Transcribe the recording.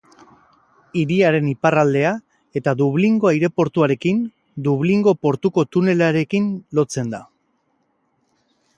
Hiriaren iparraldea eta Dublingo aireportuarekin Dublingo portuko tunelarekin lotzen da.